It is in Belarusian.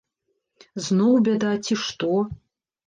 Зноў бяда, ці што?